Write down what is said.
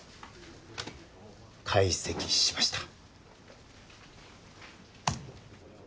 解析しました。